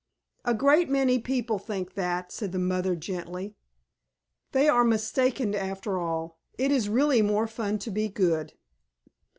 "A great many people think that," said the mother gently. "They are mistaken after all. It is really more fun to be good."